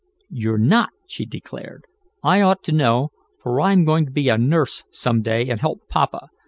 "You're not!" she declared. "I ought to know, for I'm going to be a nurse, some day, and help papa.